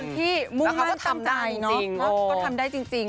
คือเป็นคนที่มุ่งมั่นทำได้แล้วเขาก็ทำได้จริง